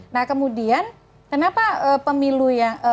nah kemudian kenapa pemilu yang